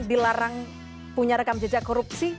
dilarang punya rekam jejak korupsi